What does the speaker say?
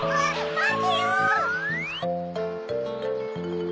まってよ。